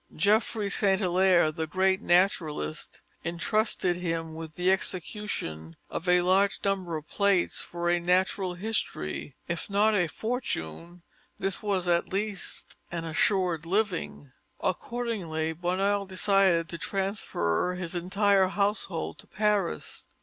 Geoffroy Saint Hilaire, the great naturalist, entrusted him with the execution of a large number of plates for a natural history. If not a fortune, this was at least an assured living. Accordingly, Bonheur decided to transfer his entire household to Paris.